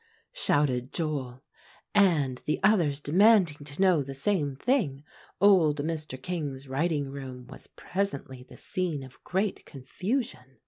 shouted Joel; and the others demanding to know the same thing, old Mr. King's writing room was presently the scene of great confusion.